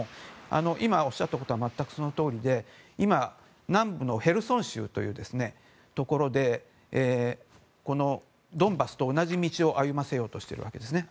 今、おっしゃったことは全くそのとおりで、今南部のヘルソン州というところでドンバスと同じ道を歩ませようとしているわけですね。